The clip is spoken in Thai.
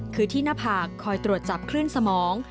คือที่หน้าผากคอยตรวจจับคลื่นสมอง